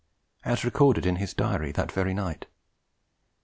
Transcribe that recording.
as recorded in his diary that very night.